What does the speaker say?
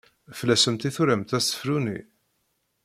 Fell-asent i turamt asefru-nni?